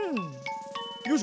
よいしょ。